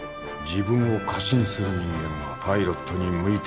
自分を過信する人間はパイロットに向いてない。